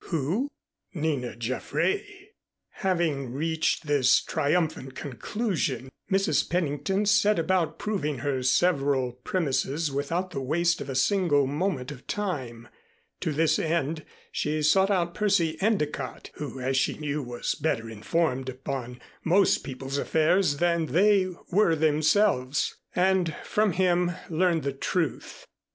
Who? Nina Jaffray. Having reached this triumphant conclusion, Mrs. Pennington set about proving her several premises without the waste of a single moment of time. To this end she sought out Percy Endicott, who as she knew was better informed upon most people's affairs than they were themselves, and from him learned the truth.